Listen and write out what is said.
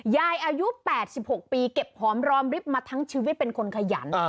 อายุ๘๖ปีเก็บหอมรอมริบมาทั้งชีวิตเป็นคนขยัน